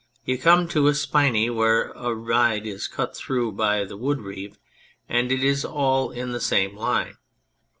You come to a spinney where a ride is cut through by the wood reeve, and it is all in the same line.